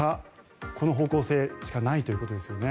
この方向性しかないということですよね。